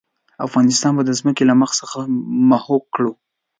افغانستان به د ځمکې له مخ څخه محوه کړو.